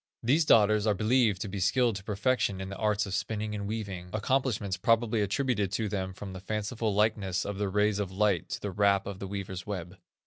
These daughters are believed to be skilled to perfection in the arts of spinning and weaving, accomplishments probably attributed to them from the fanciful likeness of the rays of light to the warp of the weaver's web.